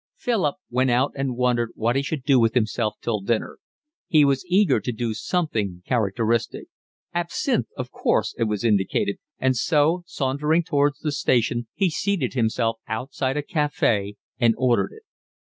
Philip went out and wondered what he should do with himself till dinner. He was eager to do something characteristic. Absinthe! of course it was indicated, and so, sauntering towards the station, he seated himself outside a cafe and ordered it.